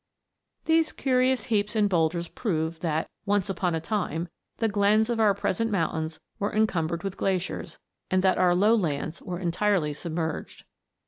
These curious heaps and boulders prove that MOVING LANDS. 253 " once upon a time " the glens of our present moun tains were encumbered with glaciers, and that our low lands were entirely submerged.